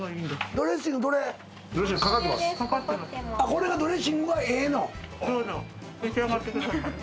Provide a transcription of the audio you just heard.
これがドレッシングがええの？